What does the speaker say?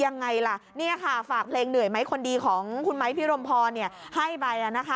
เนี่ยค่ะฝากเร่งเหนื่อยไหมคุณมั๊ยเพียรมพรให้ไว้